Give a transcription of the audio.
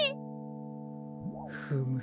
フム。